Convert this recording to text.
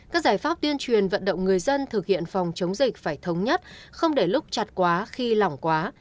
các giải pháp tuyên truyền vận động người dân thực hiện phòng chống dịch phải thống nhất không để lúc chặt quá khi lỏng quá